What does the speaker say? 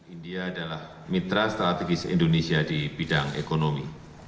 india adalah mitra strategis indonesia di bidang ekonomi